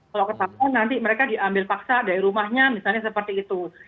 kalau ketahuan nanti mereka diambil paksa dari rumahnya misalnya seperti itu